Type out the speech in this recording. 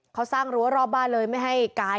เขาสร้างรั้วรอบบ้านเลยไม่ให้กาย